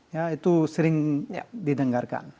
ya itu sering didapati